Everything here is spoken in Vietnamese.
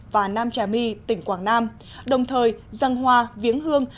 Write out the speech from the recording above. và nam trà my tỉnh quảng nam đồng thời dân hoa viếng hương